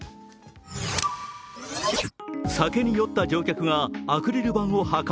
酒に酔った乗客がアクリル板を破壊。